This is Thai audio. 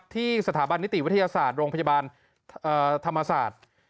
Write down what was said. ที่สถาบันนิติวิทยาศาสตร์โรงพยาบาลธรรมศาสตร์